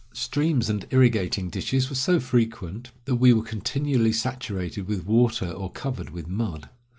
Streams and irrigating ditches were so frequent that we were continually saturated with water or covered with mud.